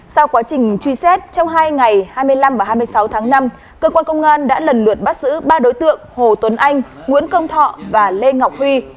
sau quá trình truy xét trong hai ngày hai mươi năm và hai mươi sáu tháng năm cơ quan công an đã lần lượt bắt giữ ba đối tượng hồ tuấn anh nguyễn công thọ và lê ngọc huy